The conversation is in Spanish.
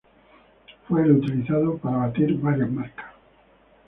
Fue el utilizado para batir varias marcas.